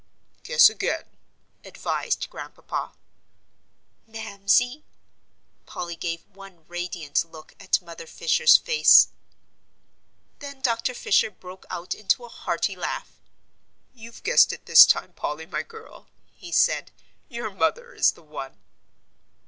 "Guess again," advised Grandpapa. "Mamsie " Polly gave one radiant look at Mother Fisher's face. Then Dr. Fisher broke out into a hearty laugh. "You've guessed it this time, Polly, my girl," he said, "your mother is the one."